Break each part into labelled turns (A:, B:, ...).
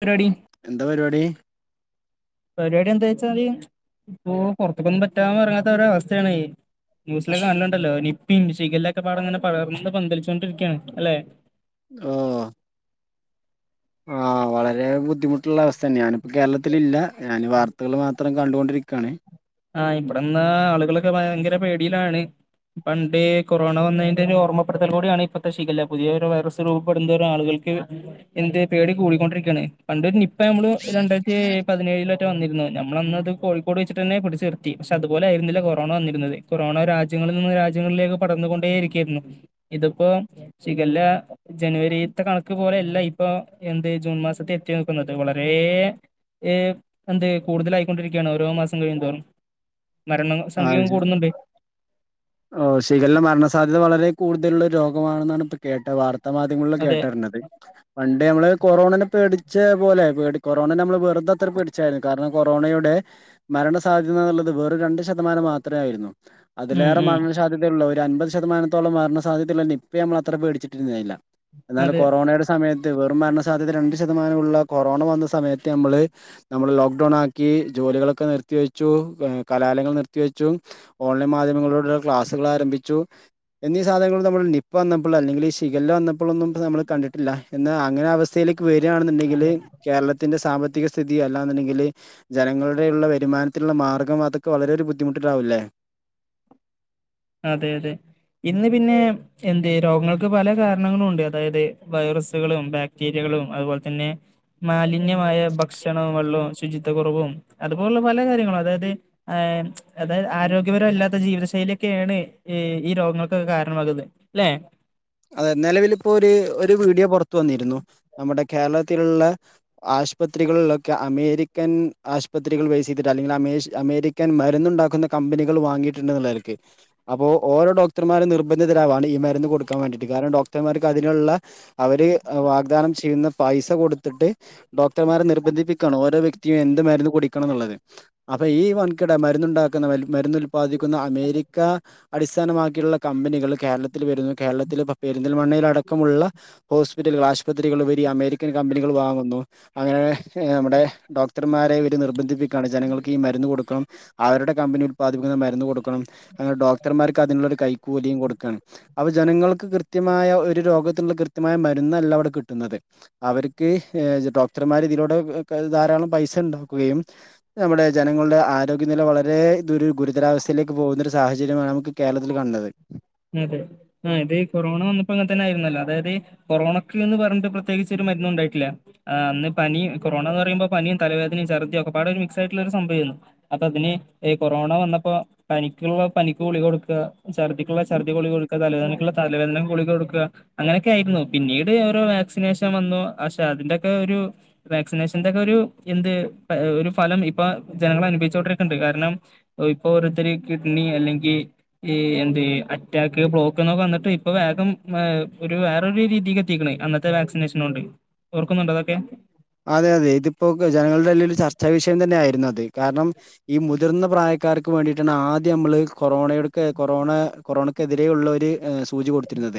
A: പരിവാടി
B: എന്താ പരിവാടി
A: പരിവാടി എന്തയ്ച്ചാല് ഇപ്പൊ പുറത്ത്ക്കൊന്നും പറ്റാ വരാത്ത ഒരവസ്ഥേണേയ് ന്യൂസിലൊക്കെ നല്ലണ്ടല്ലോ നിപ്പിം ഷിഗല്ലൊക്കെ പാടങ്ങനെ പടർന്ന് പന്തലിച്ചോണ്ടിരിക്ക്യാണ് അല്ലെ
B: ആഹ് ആഹ് വളരെ ബുദ്ധിമുട്ടുള്ള അവസ്ഥന്നെ ഞാനിപ്പോ കേരളത്തിലില്ല ഞാന് വാർത്തകള് മാ അത്രം കണ്ടുകൊണ്ടിരിക്കാണേ
A: ആഹ് ഇവിട്ന്ന് ആളുകളൊക്കെ ഭയങ്കര പേടിയിലാണ് പണ്ട് കൊറോണ വന്നതിന്റെ ഓർമ്മപ്പെടുത്തല് കൂടീയാണ് ഇപ്പൊത്തെ ശിഗല്ല പുതിയ വൈറസ് രൂപപ്പെടുന്തോറുംം ആളുകൾക്ക് എന്ത് പേടി കൂടിക്കൊണ്ടിരിക്കണ് പണ്ട് ഇപ്പമ്മളും രണ്ടായിരത്തി പതിനേഴില് വന്നിരുന്നു ഞമ്മളന്നത് കോഴിക്കോട് വച്ചിട്ടന്നെ പിടിച്ചി നിർത്തി പക്ഷെ അതുപോലെ ആയിരുന്നില്ല കൊറോണ വന്നിരുന്നത് കൊറോണ രാജ്യങ്ങളിൽ നിന്ന് രാജ്യങ്ങളിലേക്ക് പടന്നുകൊണ്ടേ ഇരിക്കായിരുന്നു ഇതിപ്പോ ശിഖല്ല ജനുവരിത്തെ കണക്ക് പോലെയല്ല ഇപ്പൊ എന്ത് ജൂൺ മാസത്തെ എത്തി നിക്കുന്നത് വളരെ എന്ത് കൂടുതലായിക്കൊണ്ടിരിക്കുകയാണ് ഓരോ മാസം കഴിയന്തോറും മരണ സംഖ്യവും കൂടുന്നുണ്ട്
B: ഓഹ് ശീകല്ല മരണസാധ്യത വളരെ കൂടുതലുള്ള രോഗമാണെന്നാണ് ഇപ്പൊ കേട്ട വാർ മാധ്യമങ്ങള
A: അതെ
B: കേട്ടരിന്നത് പണ്ടേ നമ്മള് കൊറോണനെ പേടിച്ച പോലെ ടി കൊറോണേന നമ്മള് വെറുതെ അത്ര പേടിച്ചായിരുന്നു കാരണം കൊറോണയുടെ മരണ സാധ്യതന്നുള്ളത് വെറും രണ്ട് ശതമാനം മാത്രേ ആയിരുന്നു അതില്
A: ഉം ഉം
B: മരണ സാധ്യതയുള്ളോല് ഒരു അൻപത് ശതമാനത്തോളം സാധ്യതയുള്ള നിപ്പയെ നമ്മള് അത്രേ പേടിച്ചിട്ടിരുന്നില്ല എന്നാല്
A: അതെ
B: കൊറോണയുടെ സമയത്ത് വെ മരണ സാധ്യത രണ്ട് ശതമാനമുള്ള കൊറോണ വന്ന സമയത്ത് നമ്മള് നമ്മള് ലോക്ക്ഡൌൺ ആക്കി ജോലികളൊക്കെ നിർത്തിവെച്ചു കലാലയങ്ങൾ നിർത്തിവെച്ചു ഓൺലൈൻ മാധ്യമങ്ങളോട് ക്ലാസുകള് ആരംഭിച്ചു എന്നീ സാധനങ്ങൾ നമ്മള് നിപ്പ വന്നപ്പോള് അല്ലെങ്കി ഈ ശിഖല വന്നപ്പോളൊന്നും നമ്മള് കണ്ടിട്ടില്ല എന്ന്ന് അങ്ങനെ അവസ്ഥയിലേക് ക്ക് വരികയാണെന്നുണ്ടെങ്കില് കേരളത്തിന്റെ സാമ്പത്തിക സ് സ്ഥിതി അല്ലാ എന്നുണ്ടെങ്കില് ജനങ്ങളുടെ ഉള്ള വരുമാനത്തിലുള്ള മാർഗ്ഗം അതൊക്കെ വളരെ ഒരു ബുദ്ധിമുട്ടിലാവില്ലേ
A: അതെ അതെ ഇന്ന് പിന്നെ എന്ത് രോഗങ്ങൾക്ക് പല കാരണങ്ങളും ഉണ്ട് അതായത് വൈറസുകളും ബാക്ടീരിയകളും അതുപോലെ തന്നെ മാലിന്യ ന്മാമായ ഭക്ഷണങ്ങളിലും ശുചി കുറവും അതുപോലുള്ള പല കാര്യങ്ങളും അതായത് ആഹ് അതായത് ആരോഗ്യപരല്ലാത്ത ജീവിതശൈലി ഒക്കെയാണ് ഈ രോഗങ്ങൾക്കൊക്കെ കാരണമാകുന്നെ അല്ലെ
B: അതെ നിലവിൽ ഇപ്പോ ഒരു ഒരു വീഡിയോ പുറത്തു വന്നിരുന്നു നമ്മുടെ കേരളത്തിലുള്ള ആശുപത്രികളിലൊക്കെ അമേരിക്കൻ ആശുപത്രികൾ വെയ്സ്ചെയ്തിട്ട് അല്ലെങ്കിൽമരുന്ന് അമേഷ് അമേരിക്കൻ മരുന്നുണ്ടാക്കുന്ന കമ്പനികൾ വാങ്ങിയിട്ട് ഇണ്ട് എന്നുള്ള നിലക്ക് അപ്പൊ ഓരോ ഡോക്ടർമാരും നിർബന്ധിതരാവാണ് ഈ മരുന്ന് കൊടുക്ക ക്കാൻ വേണ്ടിയിട്ട് കാരണം ഡോക്ടർമാർക്ക് അതിനുള്ള അവര് വാഗ്ദാനം ചെയ്യുന്ന പൈസ കൊടുത്തിട്ട് ഡോക്ടർമാരെ നിർബന്ധിപ്പിക്കണം ഓരോ വെ- യും എന്ത് മരുന്നു കുടിക്കണം എന്നുള്ളത് അപ്പൊ ഈ വൻകിട മരുന്നുണ്ടാക്കുന്ന മരുന്ന് ഉൽപാദിക്കുന്ന അമേരിക്ക അടിസ്ഥാനമാക്കിയുള്ള കമ്പനികൾ കേരളത്തിൽ വരുന്ന- കേരളത്തിൽ ഇപ്പോ പെരിന്തൽമണ്ണയിലടക്കമുള്ള ഹോസ്പിറ്റലുകൾ ആശുപത്രികൾ ഉപരി അമേരിക്കൻ കമ്പനികൾ വാങ്ങുന്നു അങ്ങനെ- നമ്മുടെ ഡോക്ടർമാരെ- നിർബന്ധിപ്പിക്കാണ് ജനങ്ങൾക്ക് ഈ മരുന്ന് കൊടുക്കണം അവരുടെ കമ്പനി ഉൽപാദിപ്പിക്കുന്ന മരുന്ന് കൊടുക്കണം ണം അങ്ങനെ ഡോക്ടർമാർക്ക് അതിനുള്ളൊരു കൈക്കൂലിയും കൊടുക്കാണ് അപ്പോ ജനങ്ങൾക്ക് കൃത്യമായ ഒരു രോഗത്തിൻ കൃത്യമായ മരുന്നല്ല ഇവിടെ കിട്ടുന്നത് അവർക്ക് ഏജ- ഡോക്ടർമാർ ഇതിലൂടെ ധാരാളം പൈസ ഉണ്ടാക്കുകയും നമ്മുടെ ജനങ്ങളുടെ ആരോഗ്യനില വളരെ ദുരു ഗുരുതരാവസ്ഥയിലേക്ക് പോകുന്ന ഒരു സാഹചര്യമാണ് നമുക്ക് കേരളത്തില് കണ്ടത്
A: അതെ അതെ കൊറോണ വന്നപ്പോ അങ്ങനെ തന്നെ ആയിരുന്നല്ലോ അതായത് കൊറോണക്ക് എന്ന് പറഞ്ഞിട്ട് പ്രത്യേകിച്ച് ഒരു മരുന്ന് ഉണ്ടായിട്ടില്ല അന്ന് പനി കൊറോണ എന്ന് പറയുമ്പോ പനിയും തലവേദനയും ഛർദിയും ഒക്കപാടെ ഒരു മിക്സ് ആയിട്ടുള്ള ഒരു സംഭവമായിരുന്നു അപ്പ അതിന് കൊറോണ വന്നപ്പോ പനിക്കുള്ള പനിക്ക് ഗുളിക കൊടുക്കുക ഛർദി ഛർദിക്ക് ഗുളിക തലവേദനക്കുള്ള തലവേദന ഗുളിക കൊടുക്കുക അങ്ങനെയൊക്കെ ആയിരുന്നു പിന്നീട് ഓരോ വാക്സിനേഷൻ വന്നു പക്ഷെ അതിന്റെക്കെ ഒരു വാക്സിനേഷന്റെ ഒക്കെ ഒരു എന്ത് ഒരു ഫലം ഇപ്പൊ ജനങ്ങള് അനുഭവിച്ചോണ്ടിരിക്ക്ണ്ട് കാരണം ഇപ്പൊ ഓരോരുത്തര് കിഡ്നി അല്ലെങ്കിൽ ഈ എന്ത് അറ്റാക്ക്, ബ്ലോക്ക് എന്നൊക്കെ വന്നിട്ട് ഇപ്പൊ വേഗം ഒരു വേറൊരു രീതിക്ക് എത്തിക്ക്‌ണ് അന്നത്തെ വാക്സിനേഷനോണ്ട് ഓർക്കുന്നുണ്ടോ അതൊക്കെ
B: അതെ അതെ ഇതിപ്പോക്ക് ജനങ്ങളുടെ ഇടയിൽ ഒരു ചർച്ചാ വിഷയം തന്നെ ആയിരുന്നു അത് കാരണം ഈ മുതിർന്ന പ്രായ ക്കാർക്ക് വേണ്ടിയിട്ടാണ് ആദ്യം നമ്മള് കൊറോണക്ക് കൊറോണ കൊറോണക്കെതിരെയുള്ള ഒരു സൂചി കൊടുത്തിരുന്നത്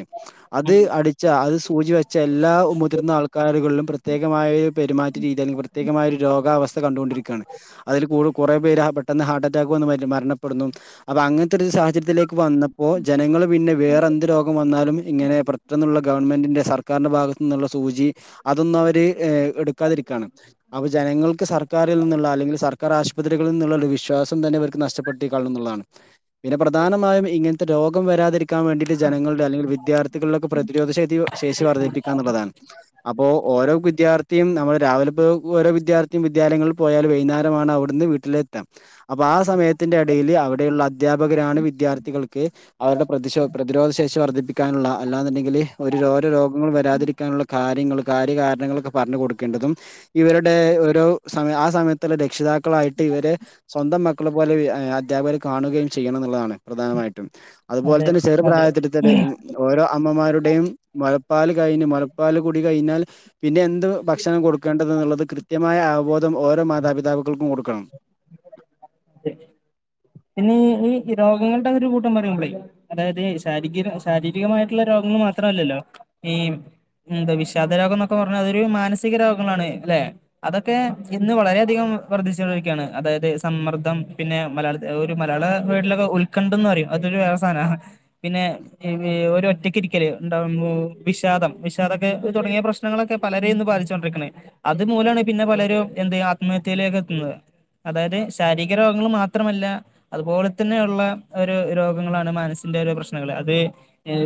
B: അത്
A: ഉം
B: അടിച്ച അത് പൂജി വെച്ചെ എല്ലാ മുതിർന്ന ആൾക്കാരുകളിലും പ്രത്യേകമായി പെരുമാറ്റ രീതി അല്ലെങ്കിൽ പ്രത്യേമായ ഒരു രോഗാവസ്ഥ കണ്ടോണ്ടിരിക്കാണ് അതിൽ കൂ കൊറേ പേര് ആ പെട്ടെന്ന് ഹാർട്ട് അറ്റാക്ക് വന്ന് മര മരണപ്പെടുന്നു അപ്പൊ അങ്ങനത്തെ ഒരു സാഹചര്യത്തിലേക്ക് വന്നപ്പോ ജനങ്ങള് പിന്നെ വേറെ എന്ത് രോഗം വന്നാലും ഇങ്ങനെ പെട്ടന്നുള്ള ഗവൺമെന്റിന്റെ സർക്കാരിൻ്റെ ഭാഗത്തു നിന്നുള്ള സൂചി അതൊന്ന് അവർ ഹേ എടുക്കാതിരിക്കാണ് അപ്പൊ ജനങ്ങൾക്ക് സർക്കാരിൽ നിന്നുള്ള അല്ലെങ്കിൽ സർക്കാർ ആശുപത്രികളിൽ നിന്നുള്ള ഒരു വിശ്വാസം തന്നെ ഇവർക്ക് നഷ്ടപ്പെട്ട കാണും എന്നുള്ളതാണ് പിന്നെ പ്രധാനമായും ഇങ്ങനത്തെ രോഗം വരാതിരിക്കാ ക്കാവേണ്ടിട്ട് ജനങ്ങളുടെ അല്ലെങ്കിൽ വിദ്യാർത്ഥികളുടെക്കെ പ്രതിരോധ ശേഷി ശേഷി വർദ്ധിപ്പിക്കാ എന്നുള്ളതാണ് അപ്പോൾ ഓരോ വിദ്യാർത് നമ്മള് രാവിലെ ഇപ്പൊ ഓരോ വിദ്യാർത്ഥിയും വിദ്യാലയങ്ങളിൽ പോയാൽ വൈന്നാരമാണ് അവിടുന്ന് വീട്ടിൽ എത്ത അപ്പൊ ആ സമയത്തിന്റെ ഇടയിൽ അവിടെയുള്ള അധ്യാപകരാണ് വിദ്യാർത്ഥികൾക്ക് അവരുടെ പ്രതിശോ പ്രതിരോധശേഷി വർദ്ധിപ്പിക്കാനുള്ള അല്ല എന്നുണ്ടെങ്കിൽ ഒരു ഓരോ രോഗങ്ങൾ വരാതിരിക്കാനുള്ള കാര്യങ്ങൾ കാര്യ കാരണങ്ങളൊക്കെ പറഞ്ഞു കൊടുക്കേണ്ടതും ഇവരുടെ ഒരോ സമയ ആ സമയത്ത് രക്ഷിതാക്ക മക്കളായിട്ട് ഇവരെ സ്വന്തം മക്ക മക്കളെ പോലെ ഏ അധ്യാപകർ കാണുകയും ചെയ്യണം എന്നുള്ളതാണ് പ്രധാനമായിട്ടും അതുപോലെ
A: അതെ
B: തന്നെ ചെറു പ്രായത്തിൽ
A: അതെ
B: തന്നെ ഓരോ അമ്മമാരുടെയും മുലപ്പാല് കഴിഞ്ഞ് മുലപ്പാൽ കൂടി കഴിഞ്ഞാൽ പിന്നെ എന്ത് ത് ഭക്ഷണം കൊടുക്കേണ്ടത് ന്നുള്ളത് കൃത്യമായ അവബോധം ഓരോ മാതാപിതാക്കാക്കൾക്കും കൊടുക്കണം
A: തെ പിന്നെ ഈ രോഗങ്ങളുടെ ഒരു കൂട്ടം പറയുമ്പോളേ അതായത് ശാരീരി ശാരീരികമായിട്ടുള്ള രോഗങ്ങൾ മാത്രല്ലല്ലോ ഈ എന്തവിഷാദ രോഗം എന്നൊക്കെ പറഞ്ഞാൽ അതൊരു മാനസിക രോഗങ്ങമാണ് അല്ലെ അതൊക്കെ ഇന്ന് വളരെയധികം വർദ്ധിച്ചുകൊണ്ടിരിക്കുകയാണ് അതായത് സമ്മർ ർദ്ദം പിന്നെ മലയാള ഒരു മലയാള വേർഡ്ലൊക്കെ ഉത്ക്കണ്ഠം ന്ന് പറയും അതൊരു വേറെ സാധന പിന്നെ ഇത് ഓരൊ ഒറ്റക്ക് ഇരിക്കല് ഇണ്ടാവുമ്പോ വിഷാദം വിഷാദൊക്കെ തുടങ്ങിയ പ്രശ്നങ്ങളൊക്കെ പലരെയും ഇന്ന് ബാധിച്ച് കൊണ്ടിരിക്ക്ണ്ടേ അത് മൂലമാണ് പിന്നെ പലരും എന്ത് ആത്മഹത്യയിലേക്ക് എത്തുന്നത് അതായത് ശാരീ രോഗങ്ങൾ മാത്രമല്ല അതുപോലെ തന്നെ ഉള്ള ഒരു രോഗങ്ങളാണ് മനസ്സിന്റെ ഒരു പ്രശ്നങ്ങള് അത്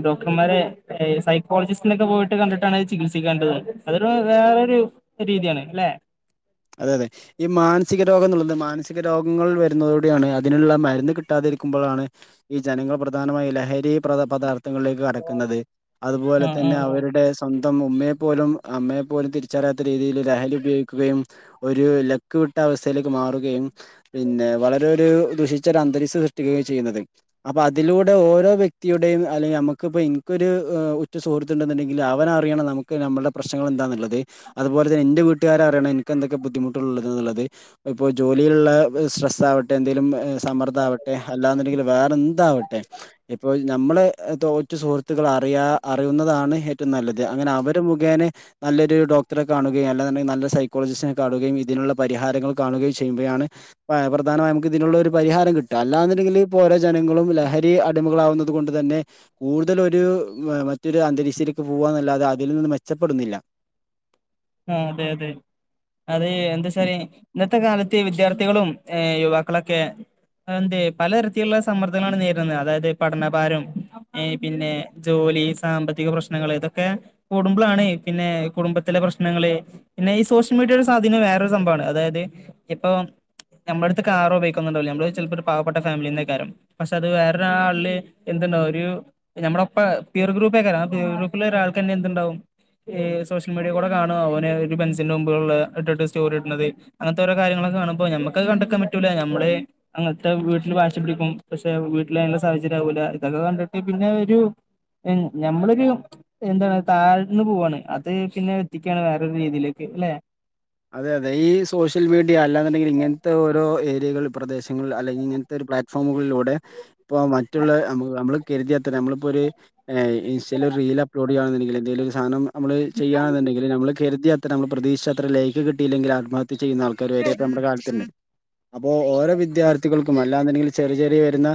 A: ഡോക്ടർമാരെ സൈക്കോളജിസ്റ്റിനൊക്കെ പോയിട്ട് കണ്ടിട്ടാണ് ചികിത്സിക്കേണ്ടത് അതൊരു വേറെരു രീതിയാണ് ല്ലെ
B: അതെ അതെ ഈ മാനസിക രോഗം എന്നുള്ളത് മാനസിക രോഗങ്ങൾ വരുന്നതോടെയാണ് അതിനുള്ള മരുന്ന് കിട്ടാതിരിക്കുമ്പോഴാണ് ഈ ജനങ്ങൾ പ്രധാനമായി ലഹരി പ്രദ പദാർത്ഥ പദാർത്ഥങ്ങളിലേക്ക് കടക്കുന്നത് അതുപോലെ
A: ആഹ്
B: തന്നെ
A: ആഹ്
B: അവരുടെ സമി സ്വന്തം ഉമ്മയെ പോലും അമ്മയെ പോലും തിരിച്ചറിയാത്ത രീതിയിൽ ലഹരി ഉപയോഗിക്കുകയും ഒരു ലക്ക് വിട്ട അവസ്ഥയിലേക്ക് മാറുകയും പിന്നെ വളരെ ഒരു ദുഷിച്ച ഒരു അന്തരീക്ഷം സൃഷ്ടിക്കുകയും ചെയ്യുന്നത് അപ്പൊ അതിലൂടെ ഓരോ വ്യക്തിയുടെയും അല്ലെങ്കിൽ നമുക്കിപ്പോ എനിക്കൊരു ഉറ്റ സുഹൃത്തുണ്ടുണ്ടെങ്കിൽ അവൻ അറിയണം നമുക്ക് നമ്മുടെ പ്രശ്നങ്ങൾ എന്താന്നുള്ളത് അതുപോലെ തന്നെ എന്റെ വീട്ടുകാര് അറിയണം എന്തൊക്കെ ബുദ്ധിമുട്ടുള്ളത്ള്ളത് ഇപ്പോൾ ജോലിയിലുള്ള സ്ട്രെസ് ആവട്ടെ എന്തെങ്കലും സമ്മർദ്ദ ആവട്ടെ അല്ലാന്നുണ്ടെങ്കിൽ വേറെ എന്താവട്ടെ ഇപ്പൊ നമ്മള് ഒറ്റു സുഹൃത്തുക്കൾ അറിയാ അറിയുന്നതാണ് ഏറ്റവും നല്ലത് അങ്ങനെ അവര് മുഖേനെ നല്ലൊരു ഡോക്ടറെ കാണുകയും അല്ലാന്നുണ്ടെങ്കിൽ നല്ല സൈക്കോ സൈക്കോളജിസ്റ്റ് കാണുകയും ഇതിനുള്ള പരിഹാരങ്ങൾ കാണുകയും ചെയ്യുമ്പോഴാണ് പ്രധാനമായി നമുക്ക് ഇതിനുള്ള ഒരു പരിഹാരം കിട്ടും അല്ലാന്നുണ്ടെങ്കിൽ ഇപ്പോ ഓരോ ജനങ്ങളും ലഹരി അടിമകളാവുന്നത് കൊണ്ട് തന്നെ കൂടുതലൊ ഒരു മറ്റൊരു അന്തരീക്ഷത്തിലേക്ക് പോവവാന്നല്ലാതെ അതിൽ നിന്ന് മെച്ചപ്പെടുന്നില്ല
A: ആ അതെ അതെ അത് എന്താച്ചല് ഇന്നത്തെ കാലത്ത് വിദ്യാർത്ഥികളും യുവാക്കളൊക്കെ എന്ത് പലതരത്തിലുള്ള സമ്മർദ്ദങ്ങളാണ് നേരിടുന്നത് അതായത് പഠനഭാരം പിന്നെ ജോലി സാമ്പത്തിക പ്രശ്നങ്ങൾ ഇതൊക്കെ കൂടുമ്പോളാണ് പിന്നെ കുടുംബത്തിലെ പ്രശ്ന പ്രശ്നങ്ങള് പിന്നെ ഈ സോഷ്യൽ മീഡിയ ഒരു സ്വാധീനം വേറൊരു സംഭവമാണ് അതായത് ഇപ്പൊ നമ്മളടുത്ത് കാറ്പയോഗിക്കൊുന്നുണ്ടാവില്ല നമ്മള് ചെലപ്പോ ഒരു പാവപ്പെട്ട ഫാമിലിന്നേക്കാരം പക്ഷെ അത് വേറൊരാളില് എന്തുണ്ടാവും ഒരു നമ്മളോപ്പം പിയർ ഗ്രൂപ്പേക്കാരം പിയർ ഗ്രൂപ്പുള്ള ഒരാൾക്കന്നെ എന്തുണ്ടാവും ഈ സോഷ്യൽ മീഡിയ കൂടെ കാണോ അവന് ഒരു പെൻസിന്റെ മുമ്പിലള്ള ഇട്ടിട്ട് സ്റ്റോറി ഇട്ണത് അങ്ങനത്തെ ഓരോ കാര്യങ്ങളൊക്കെ കാണുമ്പോൾ നമ്മക്ക് അത് കണ്ട്ക്കാൻ പറ്റുല നമ്മടെ അങ്ങനത്തെ വീട്ടിൽ വാശി പിടിക്കും പക്ഷെ വീട്ടിൽ അതിനുള്ള സാഹചര്യം ആവൂല ഇതൊക്കെ കണ്ടിട്ട് പിന്നെ ഒരു ഞമ്മളൊരു എന്താ താഴ്ന്ന് പോവാണ് അത് പിന്നെ എത്തിക്കാണ് വേറൊരു രീതിയിലേക്ക് ല്ലെ
B: അതെ അതെ ഈ സോഷ്യൽ മീഡിയ അല്ലാന്നുണ്ടെങ്കിൽ ഇങ്ങൻത്തെ ഓരോ വിദ്യകൾ പ്രദേശങ്ങൾ അല്ലെങ്കിൽ ഇങ്ങനത്തെ ഒരു പ്ലാറ്റ്ഫോമുകളിലൂടെ ഇപ്പ മറ്റുള്ള നമ്മ നമ്മള് കരുതിയ കരുതിയാൽ തന്നെ നമ്മള്പ്പോ ഒര് ഏ ഇൻസ്റ്റയിൽ റീൽ അപ്ലോഡ് കിട്ടാണ് ന്നുണ്ടെങ്കിൽ എന്തേലും ഒരു സധനം നമ്മള് ചെയ്യന്നുണ്ടെങ്കില് നമ്മള് കരുതിയാ നമ്മള് പ്രതീക്ഷത്ര ലയ് ത് കിട്ടയില്ലെിൽ ആത്മഹത് ത്യ ചെയ്യുന്ന ആൾക്കാര് വരെ നമ്മുടെ കാലത്തുണ്ട് അപ്പോ ഓരോ വിദ്യാർത്ഥികൾക്കും അല്ലാന്നുണ്ടങ്കിൽ ചെറിയ ചെറിയ വരുന്ന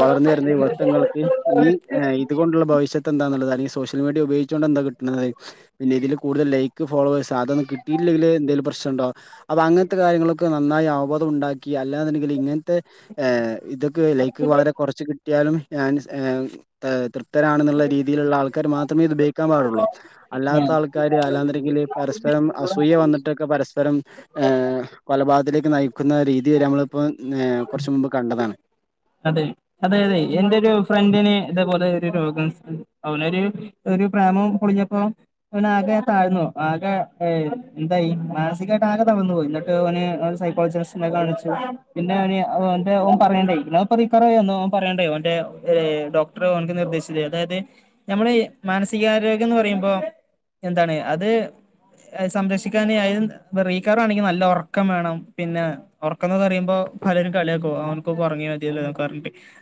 B: വളർന്ന് വരുന്ന യുവത്വങ്ങൾക്ക് ഈ ഇതുകൊണ്ടുള്ള ഭവിഷത് തന്താന്ന്ള്ളത് അല്ലെങ്കൽ സോഷ്യൽമിഡിയ ഉപയോഗിച്ചോണ്ട് എന്താ കിടുന്നത് ഇതിൽ കൂടുതൽ ലൈക്ക് ഫോളോവയ്സ് അതൊന്നും കിട്ടയില്ലെങ്കിലെ എന്തേലും പ്രശ്നണ്ടോ അപ്പ അങ്ങനത്തെ കാര്യങ്ങളിലൊക്കെ നന്നായി അവബോധം ഉണ്ടാക്കി അല്ലാന്നുണ്ടെങ്കിൽ ഇങ്ങൻ ത്തെ എ ഇതൊക്കെ ലൈക്ക് വളരെ കുറച്ച് കിട്ട് പറ്റിയാലും ഞാൻ ഏ താ തൃ ത്തരാണെന്നുള്ള രീതിയിലുള്ള ആൾക്കാര് മാത്രമേ ഇത് ഉപയോഗിക്കാൻ പാടൊള്ളൂ അല്ലാത്ത ആൾക്കാര് അല്ലാന്ന്ണ്ടെങ്കില്
A: ആഹ്
B: പരസ്പരം അസൂയ വന്നിട്ട് പരസ്പരം എ കൊ വാതിലേക്ക് നയിക്കുന്ന രീതി വരെ നമ്മള് ഇപ്പോൾ കുറച്ച മുമ്പ് കണ്ടതാണ്
A: അതെ അതെ ര അവനൊരു ഒരു പ്രേമം പൊളിഞ്ഞപ്പോ അവൻ ആകെ താഴ്ന്നു ആകെ എന്തായി മാനസികമായിട്ട് ആകെ തകർന്നുപോയി എന്നിട്ട് അവന് സൈക്കോളജിസ്റ്റിനെ കാണിച്ചു പിന്നെ അവന് അവന്റെ ഓ പറയണ്ടായി ക്കാറോ അവ പറയണ്ടേ അവന്റെ ഡോക്ടർ അവനക്ക് നിർദ്ദേശിച്ചത് അതായത് നമ്മുടെ മാനസികാരോഗ്യം എന്ന് പറയുമ്പോ എന്താണ് അത് സംരക്ഷിക്കാണെങ്കിൽ നല്ല ഉറക്കം വേണം പിന്നെ ഉറക്കം എന്ന് പറയുമ്പോ പലരും കളിയക്കും അവനങ്ങ് ഉറങ്ങി.. പറ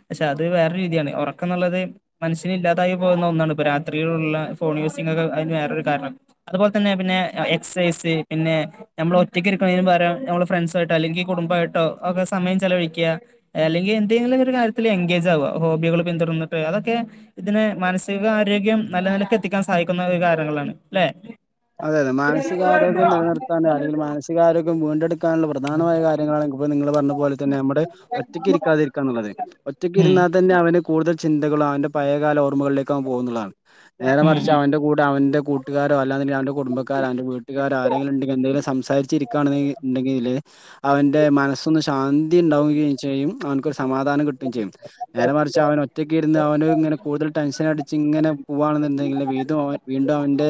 A: പക്ഷെ അത് വേറെ രീതിയാണ് ഉറക്ക എന്നുള്ളത് മനുഷ്യന് ഇല്ലാതാക്ക പോകുന്ന ഒന്നാണ് ഇപ്പൊ രാത്രിയിലള്ള ഫോൺ യൂസിംഗ് ഒക്കെ അതിന് വേറൊരു കാരണം അതുപോലെ തന്നെ പിന്നെ എക്സസൈസ് പിന്നെ നമ്മൾ ഒറ്റയ്ക്ക് ഇരിക്കുന്നതിന് പകരം നമ്മൾ ഫ്രണ്ട്സും ആയിട്ടോ അല്ലെങ്കിൽ കുടുംബമായിട്ടോ ഒക്കെ സമയം ചെലവഴിക്കുക അല്ലെങ്കിൽ എന്തെങ്കിലും ഒരു കാര്യത്തിൽ എൻഗേജ് ആവുക ഹോബികൾ പിന്തുടന്നിട്ട് അതൊക്കെ ഇതിനെ മാനസികാരരോഗ്യം നല്ല നിലക്ക് എത്തിക്കാൻ സഹായിക്കുന്ന ഒരു കാര്യങ്ങളാണ് അല്ലെ
B: അതെ അതെ മാനസികാരോഗ്യം നിലനിർത്താനോ അല്ലെങ്കിൽ മാനസികാരോഗ്യം വീണ്ടെടുക്കാനുള്ള.. പ്രധാനമായ കാര്യങ്ങള നിങ്ങൾ പറഞ്ഞ പോലെ തന്നെ നമ്മുടെ ഒറ്റക്ക്
A: ഉം
B: ഇരിക്കാതിരിക്കാ എന്നുള്ളത് ഒറ്റക്ക് ഇരുന്നാൽ തന്നെ അവന് കൂടുതൽ ചിന്തകളും അവന്റെ പയകാല ഓമ്മകളിലേക്ക് അവ പോകുന്നതാണ് നേരെ
A: ഉം
B: മറിച്ച്
A: ഉം
B: അവന്റെ കൂടെ അവന്റെ കൂട്ടുകാരോ അല്ലാ ഞനോ കുടുംബക്കാർ ആണെങ്കിലും അവന്റെ വീട്ടുകാർ ആരെങ്കിലും ഉണ്ടെങ്കിൽ എന്തെങ്കിലും സംസാരിച്ചിരിക്കുകയാണങ്കിൽ ഉണ്ടെങ്കില് അവന്റെ മനസ്സൊന്ന് ശാന്തി ഉണ്ടാവുകയും ചെയ്യും അവനെരു സമാധാനം കിട്ടുകയും ചെയ്യും നേരെ മറിച്ച് അവൻ ഒറ്റക്ക ഇരുന്ന് അവന് ഇങ്ങനെ കൂടുതൽ ടെൻഷൻ അടിച്ച് ഇങ്ങനെ പോവുകവാണെന്നുണ്ടെങ്കില് വീണ്ടും വീണ്ടും അവന്റെ..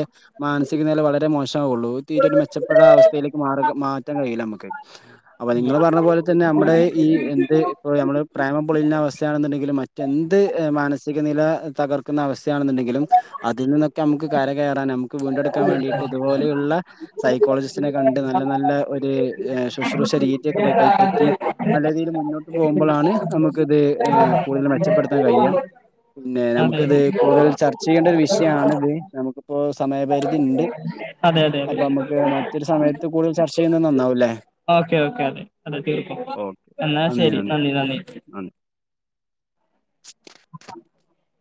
B: വളരെ മോശം ഉള്ള തീര ഒരു മെച്ചപ്പെട്ട അവസ്ഥയിലേക്ക് മാറ മാറ്റാൻ കഴിയില്ല നമുക്ക് അപ്പൊ നിങ്ങൾ പറഞ്ഞ പോലെ തന്നെ നമ്മുടെ ഈ എന്ത് ഇ നമ്മ പ്രേമം പൊളിയുന്ന അവസ്ഥയാണെന്നുണ്ടെങ്കിലും മറ്റെന്ത് മാന നില തകർക്കുന്ന അവസ്ഥയാണെന്നുണ്ടെങ്കിലും അതിൽ നിന്ന നമക്ക് കര കയറാൻ ആകും [inaudible] വേണ്ടിട്ട് ഇതുപോലെയുള്ള സൈക്കോളജിസ്റ്റിനെ കണ്ട് നല്ല നല്ല ഒരു ശുശ്രൂഷ രീതിയക്കെ കൈപ്പറ്റി നല്ല രീതിയിൽ മുന്നോട്ട് പോകുമ്പോഴാണ് നമുക്ക് ഇത് കൂടുതൽ മെച്ചപ്പെടുത്താൻ കഴിയാം പിന്നെ
A: അതെ
B: നമുക്കിത്
A: അതെ
B: കൂടുതൽ ചർച്ച ചെയ്യേണ്ട ഒരു വിഷയണിത് നമുക്കിപ്പോ ഇണ്ട്
A: അതെ അതെ അതെ
B: അപ്പൊ നമുക്ക് മറ്റൊരു സമയത്ത് കൂടുതൽ ചർച്ച ചെയ്യുന്നത് നന്നാവൂല്ലേ
A: ഓക്കെ ഓക്കെ അതെ അതെ തീർക്കും
B: ഓ നന്ദി നന്ദി [inaudible]
A: [unintelligible]